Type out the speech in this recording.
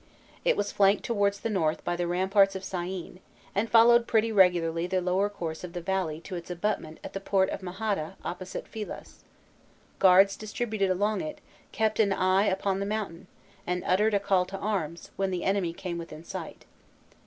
It was flanked towards the north by the ramparts of Syene, and followed pretty regularly the lower course of the valley to its abutment at the port of Mahatta opposite Philas: guards distributed along it, kept an eye upon the mountain, and uttered a call to arms, when the enemy came within sight.